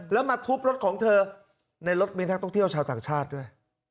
แล้วมาทุบรถของเธอในรถมีนักท่องเที่ยวชาวต่างชาติด้วย